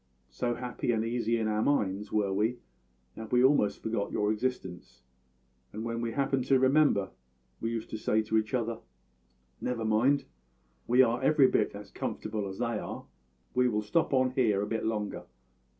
So happy and easy in our minds were we that we almost forgot your existence; and when we happened to remember, we used to say to each other: `Never mind; we are every bit as comfortable as they are; we will stop on here a bit longer.'